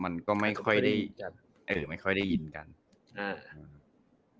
มันก็ไม่ค่อยได้ยินกัน